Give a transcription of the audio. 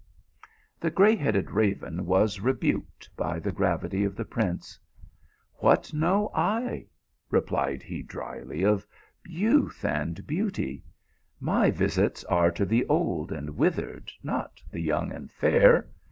The gray headed raven was rebuked by the grav ity of the prince. " What know I," replied he dryly, " of youth and beauty ? My visits are to the old and withered, not the young and fair.